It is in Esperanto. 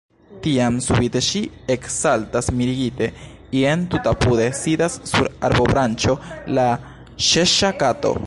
Tiam subite ŝi eksaltas mirigite; jen, tutapude, sidas sur arbobranĉo la Ĉeŝŝa kato.